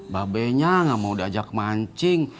babenya nggak mau diajak mancing